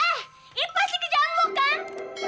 eh ini pasti kerjaanmu kan